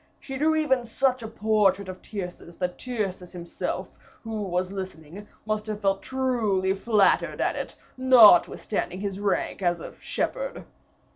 She drew even such a portrait of Tyrcis that Tyrcis himself, who was listening, must have felt truly flattered at it, notwithstanding his rank as a shepherd.